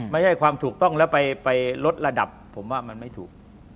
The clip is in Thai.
ไม่ใช่ความถูกต้องแล้วไปลดระดับผมว่ามันไม่ถูก